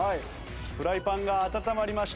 フライパンが温まりました。